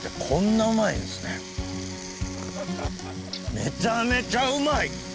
めちゃめちゃうまい。